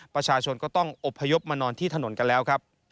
ประชาชนก็ต้องอบพยพมานอนที่ถนนกันแล้วครับ